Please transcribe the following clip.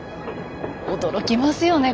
驚きますよね